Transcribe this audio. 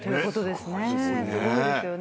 すごいですよね。